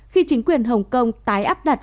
khi chính quyền hồng kông tái áp đặt